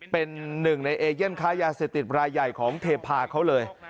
เป็นหนึ่งในเอเย่นค้ายาเสพติดรายใหญ่ของเทพาเขาเลย